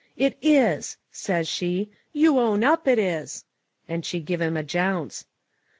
"It is," says she, "you own up it is!" And she give him a jounce.